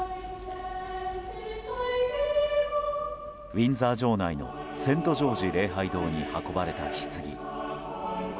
ウィンザー城内のセント・ジョージ礼拝堂に運ばれたひつぎ。